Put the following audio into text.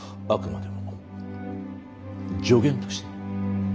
あくまでも助言として。